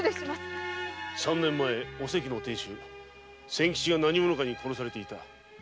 三年前おせきの亭主・仙吉が何者かに殺されていた。